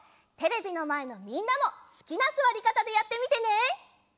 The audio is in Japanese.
テレビのまえのみんなもすきなすわりかたでやってみてね！